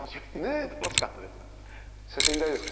楽しかったです。